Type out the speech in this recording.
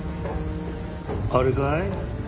あれかい？